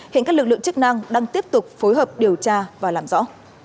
hiện các lực lượng chức năng đang tiếp tục phối hợp điều tra và làm rõ